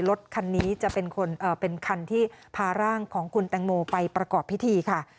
รถคันนี้จะเป็นคันที่พาร่างของคุณแตงโมไปประกอบพิธีค่ะ